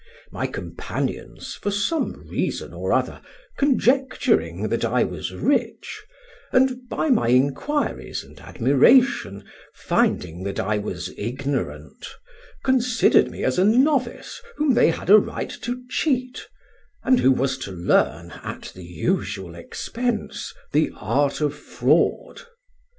My companions, for some reason or other, conjecturing that I was rich, and, by my inquiries and admiration, finding that I was ignorant, considered me as a novice whom they had a right to cheat, and who was to learn, at the usual expense, the art of fraud.